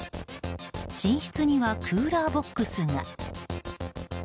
寝室にはクーラーボックスが。